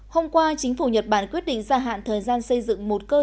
hôm qua chính phủ nhật bản quyết định gia hạn thời gian xây dựng một cơ sở